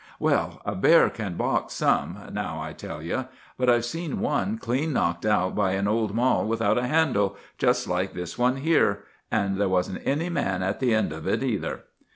"'Well, a bear can box some, now I tell you. But I've seen one clean knocked out by an old mall without a handle, just like this one here; and there wasn't any man at the end of it either.